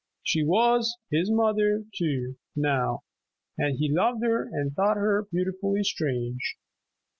She was his mother too, now, and he loved her and thought her beautifully strange.